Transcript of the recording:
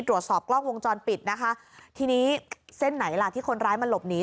ตรวจสอบกล้องวงจรปิดนะคะทีนี้เส้นไหนล่ะที่คนร้ายมันหลบหนี